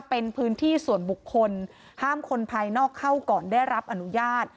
เป็นพื้นที่ส่วนบุคคลห้ามคนภายนอกเข้าก่อนได้รับอนุญาต